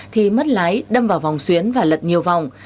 thì mất lái đâm vào vòng xuyến và lật nhiều vòng